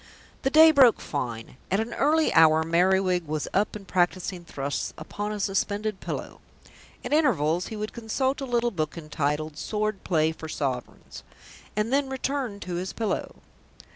The day broke fine. At an early hour Merriwig was up and practising thrusts upon a suspended pillow. At intervals he would consult a little book entitled Sword Play for Sovereigns, and then return to his pillow.